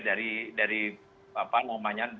dari dari apa namanya